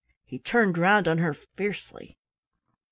He turned round on her fiercely.